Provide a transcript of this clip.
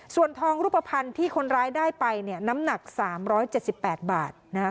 ส่วนทองรูปภัณฑ์ที่คนร้ายได้ไปเนี่ยน้ำหนัก๓๗๘บาทนะคะ